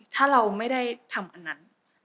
ถ้าเราไม่ได้ทำอันนั้น